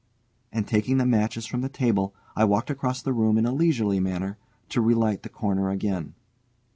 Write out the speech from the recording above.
and, taking the matches from the table, I walked across the room in a leisurely manner, to relight the corner again.